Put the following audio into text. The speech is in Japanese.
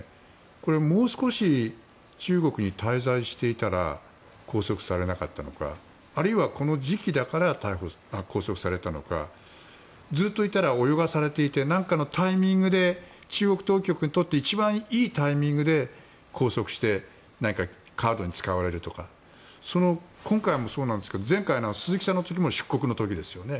これ、もう少し中国に滞在していたら拘束されなかったのかあるいはこの時期だから拘束されたのかずっといたら泳がされていて何かのタイミングで中国当局にとって一番いいタイミングで拘束して何かカードに使われるとかその今回もそうですが前回の鈴木さんも出国時ですよね